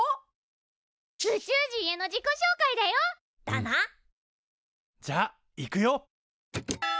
だな。じゃあいくよ。